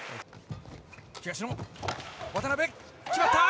東野、渡辺、決まった。